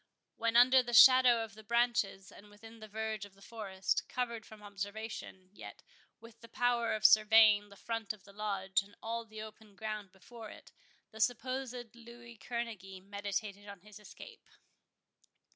When under the shadow of the branches, and within the verge of the forest, covered from observation, yet with the power of surveying the front of the Lodge, and all the open ground before it, the supposed Louis Kerneguy meditated on his escape.